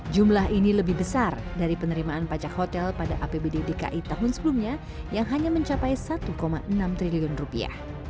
jumlah ini lebih besar dari penerimaan pajak hotel pada apbd dki tahun sebelumnya yang hanya mencapai satu enam triliun rupiah